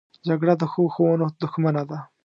جګړه د ښو ښوونو دښمنه ده